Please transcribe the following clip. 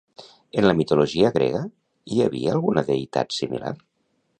En la mitologia grega hi havia alguna deïtat similar?